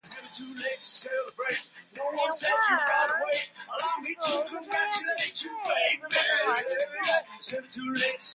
They were to patrol the Bay of Biscay for the arriving French.